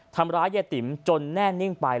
ทำร้ายยายติ๋มจนแน่นิ่งไป